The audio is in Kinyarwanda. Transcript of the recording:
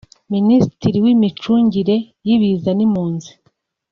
Minisitiri w’imicungire y’ibiza n’impunzi